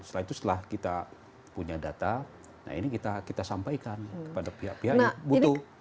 setelah itu setelah kita punya data nah ini kita sampaikan kepada pihak pihak yang butuh